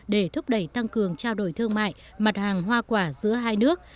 để thúc đẩy tăng cường trao đổi thương mại mặt hàng hoa quả giữa hai nước